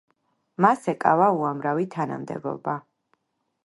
მას ეკავა უამრავი თანამდებობა.